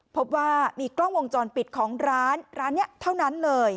พบว่ามีกล้องวงจรปิดของร้านร้านนี้เท่านั้นเลย